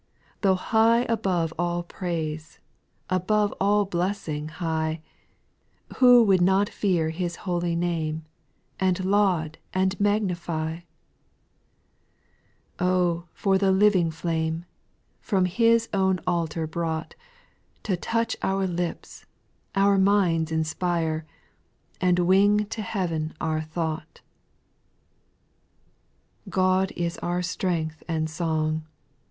2. Though high above all praise. Above all blessing high, Who would not fear His holy name, And laud and magnify ? 3. O for the living flame. From His own altar brought, To touch our lips, our minds inspire, And wing to heav'n our thought I 4. God is our strength and song.